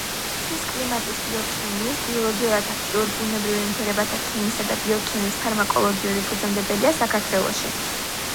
მთის კლიმატის ბიოქიმიის, ბიოლოგიურად აქტიურ ბუნებრივ ნივთიერებათა ქიმიისა და ბიოქიმიის ფარმაკოლოგიური ფუძემდებელია საქართველოში.